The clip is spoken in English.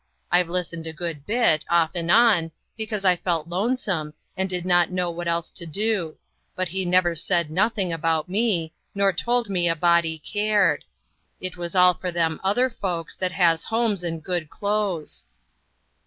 I've listened a good bit, off and on, because I felt lonesome, and did not know what else to do ; but he never said nothing about me, nor told me a body cared. It was all for them other folks, that has homes and good clothes."